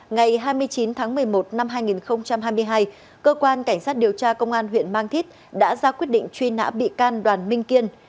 ngày hai mươi chín tháng một mươi một năm hai nghìn hai mươi hai cơ quan cảnh sát điều tra công an huyện mang thít đã ra quyết định truy nã bị can đoàn minh kiên